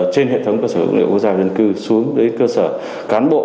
trên hệ thống cơ sở dữ liệu quốc gia về dân cư xuống đến cơ sở cán bộ